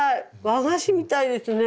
和菓子みたいですね。